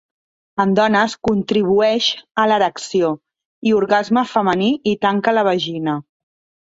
En dones, contribueix a l'erecció i orgasme femení i tanca la vagina.